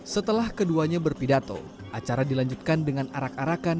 setelah keduanya berpidato acara dilanjutkan dengan arak arakan